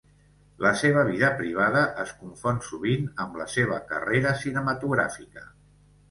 La seva vida privada es confon sovint amb la seva carrera cinematogràfica.